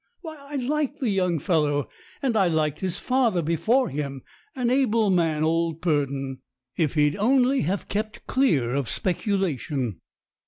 Why, I like the young fellow, and I liked his father before him an able man, old Purdon, if he'd only have kept clear of speculation.